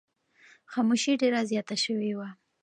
خاموشي ډېره زیاته شوې وه.